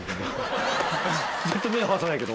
ずっと目合わさないけど。